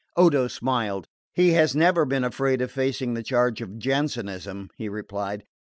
Odo smiled. "He has never been afraid of facing the charge of Jansenism," he replied.